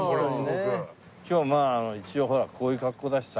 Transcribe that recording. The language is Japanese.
今日はまあ一応ほらこういう格好だしさ。